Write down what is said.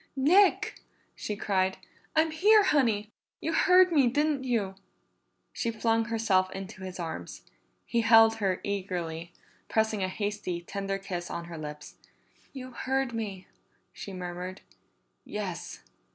"Nick!" she cried. "I'm here, Honey. You heard me, didn't you?" She flung herself into his arms; he held her eagerly, pressing a hasty, tender kiss on her lips. "You heard me!" she murmured. "Yes."